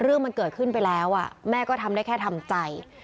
เรื่องมันเกิดขึ้นไปแล้วแม่ก็ทำได้แค่ทำใจ